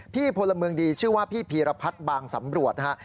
พลเมืองดีชื่อว่าพี่พีรพัฒน์บางสำรวจนะฮะ